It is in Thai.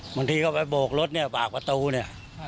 บางทีก็ไปโบกรถเนี่ยบากประตูเนี่ย